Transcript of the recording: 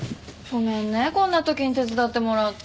ごめんねこんな時に手伝ってもらって。